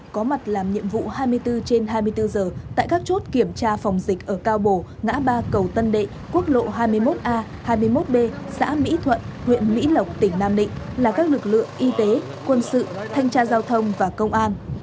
có mặt làm nhiệm vụ hai mươi bốn trên hai mươi bốn giờ tại các chốt kiểm tra phòng dịch ở cao bồ ngã ba cầu tân đệ quốc lộ hai mươi một a hai mươi một b xã mỹ thuận huyện mỹ lộc tỉnh nam định là các lực lượng y tế quân sự thanh tra giao thông và công an